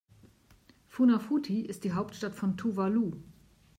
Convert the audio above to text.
Funafuti ist die Hauptstadt von Tuvalu.